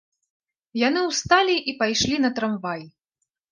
Яны ўсталі і пайшлі на трамвай.